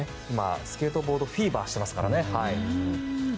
スケートボードフィーバーしてますからね。